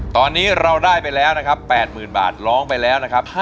ตอนนี้เราได้ไปแล้วนะครับ๘๐๐๐บาทร้องไปแล้วนะครับ